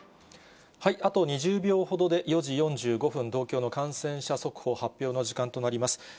あと２０秒ほどで４時４５分、東京の感染者速報発表の時間となります。